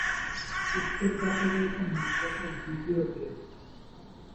উত্তর পাশে রয়েছে মাদ্রাসার দ্বীতিয় গেইট।